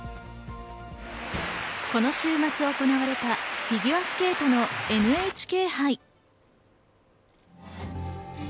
この週末行われたフィギュアスケートのＮＨＫ杯。